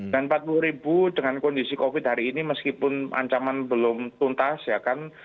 dan empat puluh dengan kondisi covid hari ini meskipun ancaman belum tuntas ya kan